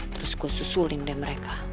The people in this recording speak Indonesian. terus gue susulin deh mereka